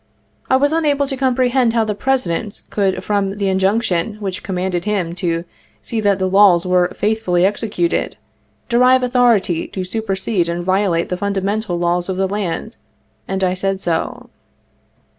I was unable to comprehend how the President could, from the injunction which commanded him to see that the laws were faith fully executed, derive authority to supersede and violate the fundamen tal laws of the land, and I said so.